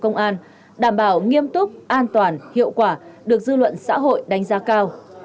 công an đảm bảo nghiêm túc an toàn hiệu quả được dư luận xã hội đánh giá cao